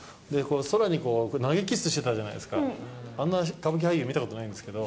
空に投げキッス、してたじゃないですか、あんな歌舞伎俳優、見たことないんですけど、